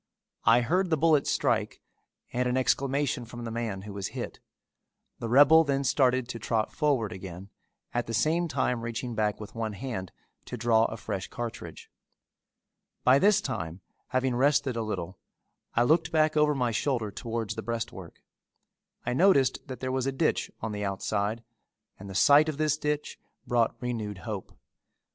I heard the bullet strike and an exclamation from the man who was hit. The rebel then started to trot forward again, at the same time reaching back with one hand to draw a fresh cartridge. By this time having rested a little, I looked back over my shoulder towards the breastwork. I noticed that there was a ditch on the outside and the sight of this ditch brought renewed hope.